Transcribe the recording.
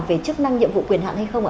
về chức năng nhiệm vụ quyền hạn hay không ạ